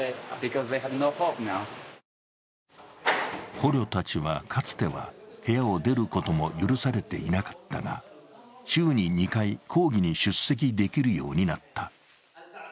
捕虜たちは、かつては部屋を出ることも許されていなかったが、週に２回、講義に出席できるようになった。